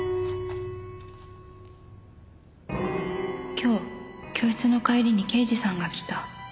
「今日教室の帰りに刑事さんが来た」